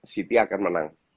city akan menang